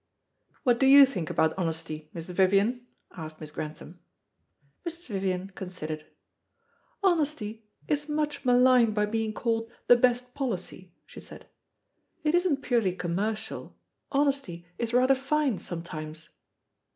"What do you think about honesty, Mrs. Vivian?" asked Miss Grantham. Mrs. Vivian considered. "Honesty is much maligned by being called the best policy," she said; "it' isn't purely commercial. Honesty is rather fine sometimes."